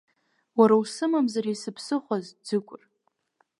Уара усымамзар исыԥсыхәаз, Ӡыкәыр?!